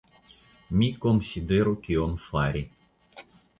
Mi konsideru kion fari.